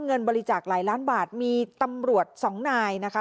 เงินบริจาคหลายล้านบาทมีตำรวจสองนายนะคะ